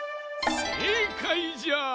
せいかいじゃ。